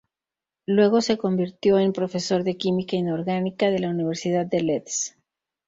Luego se convirtió en profesor de química inorgánica de la Universidad de Leeds.